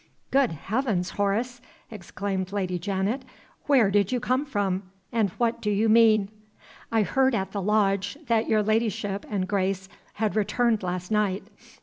"Good heavens, Horace!" exclaimed Lady Janet. "Where did you come from? And what do you mean?" "I heard at the lodge that your ladyship and Grace had returned last night.